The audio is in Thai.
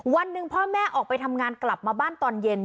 วันหนึ่งพ่อแม่ออกไปทำงานกลับมาบ้านตอนเย็น